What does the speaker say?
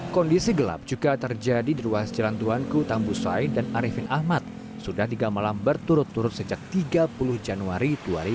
kondisi gelap juga terjadi di ruas jalan tuanku tambusai dan arifin ahmad sudah tiga malam berturut turut sejak tiga puluh januari dua ribu dua puluh